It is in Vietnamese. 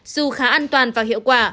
dù khá an toàn và hiệu quả